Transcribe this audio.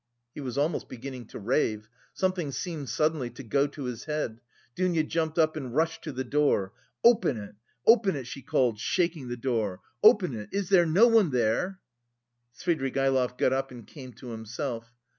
He was almost beginning to rave.... Something seemed suddenly to go to his head. Dounia jumped up and rushed to the door. "Open it! Open it!" she called, shaking the door. "Open it! Is there no one there?" Svidrigaïlov got up and came to himself.